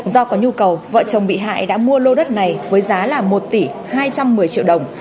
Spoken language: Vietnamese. do có nhu cầu vợ chồng bị hại đã mua lô đất này với giá là một tỷ hai trăm một mươi triệu đồng